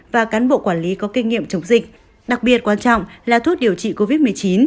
và cán bộ quản lý có kinh nghiệm chống dịch đặc biệt quan trọng là thuốc điều trị covid một mươi chín